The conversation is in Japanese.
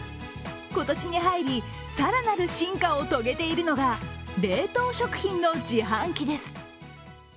今年に入り、更なる進化を遂げているのが、冷凍食品の自販機です。